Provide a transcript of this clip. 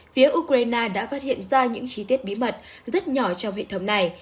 phía ukraine đã phát hiện ra những chi tiết bí mật rất nhỏ trong hệ thống này